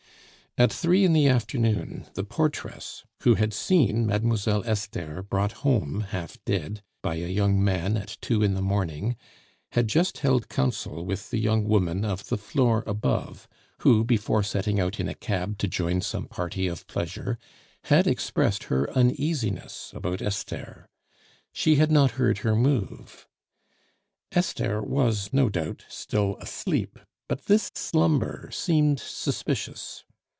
At three in the afternoon the portress, who had seen Mademoiselle Esther brought home half dead by a young man at two in the morning, had just held council with the young woman of the floor above, who, before setting out in a cab to join some party of pleasure, had expressed her uneasiness about Esther; she had not heard her move. Esther was, no doubt, still asleep, but this slumber seemed suspicious.